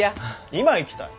今行きたい。